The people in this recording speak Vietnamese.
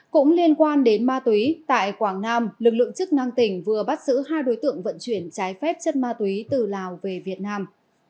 cũng liên quan đến ma túy tại quảng nam lực lượng chức năng tỉnh vừa bắt giữ hai đối tượng vận chuyển trái phép chất ma túy từ lào về việt nam